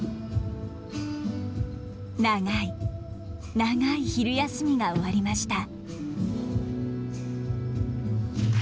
長い長い昼休みが終わりました。